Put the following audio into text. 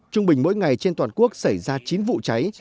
trung bình mỗi ngày trên toàn quốc xảy ra chín vụ cháy